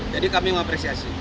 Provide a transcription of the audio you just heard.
jadi kami mengapresiasi